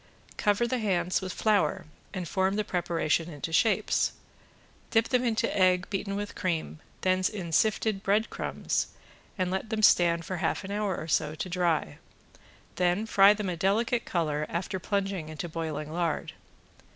Cover the hands with flour and form the preparation into shapes, dip them into egg beaten with cream, then in sifted breadcrumbs and let them stand for half an hour or so to dry; then fry them a delicate color after plunging into boiling lard.